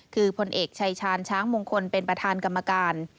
คือพลเอกชายชาญช้างมงคลเป็นประธานกรรมการ